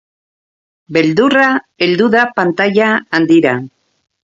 Beldurra heldu da pantaila handira.